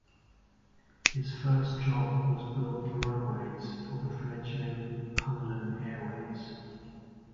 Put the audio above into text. His first job was building runways for the fledgling Connellan Airways.